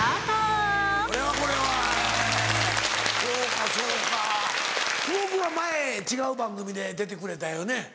久保君は前違う番組で出てくれたよね。